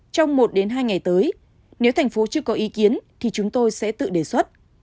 trong một hai ngày tới nếu thành phố chưa có ý kiến thì chúng tôi sẽ tự đề xuất